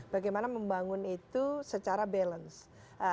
bagaimana membangun itu secara balance